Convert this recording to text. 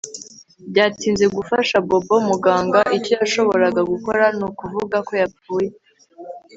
Byatinze gufasha Bobo Muganga icyo yashoboraga gukora nukuvuga ko yapfuye